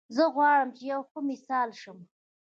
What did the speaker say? زه غواړم چې یو ښه مثال شم